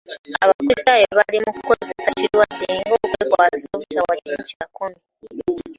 Abakulisitayo bali mu kukozesa kirwadde ng'ekyokwekwaasa obutawa kimu kya kkumi.